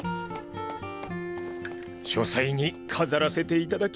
書斎に飾らせていただきますかな。